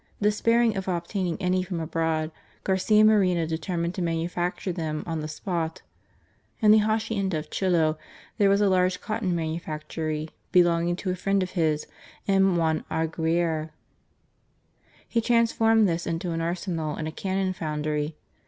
Despairing of obtaining any from abroad, Garcia Moreno determined to manufacture them on the spot. In the hacienda of Chillo, there was a large cotton manufactory belonging to a friend of his, M. Juan Aguirre ; he transformed this into an arsenal and a cannon foundry.